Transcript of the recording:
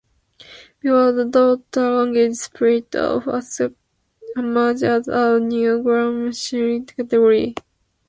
Before the daughter languages split off, "aspect" emerged as a new grammatical category.